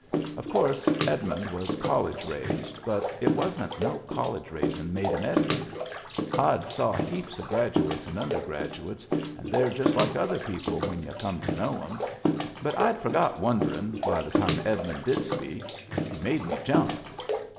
Of course Edmund was college raised, but it wasn't no college raisin' made him Edmund I've saw heaps of graduates and undergraduates and they're just like other people when y'u come to know 'em. But I'd forgot wonderin' by the time Ed mund did speak. He made me jump.